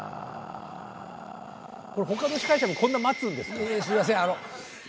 他の司会者もこんな待つんですか？